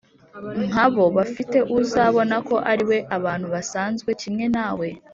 Nk abo bafite uzabona ko ari abantu basanzwe kimwe nawe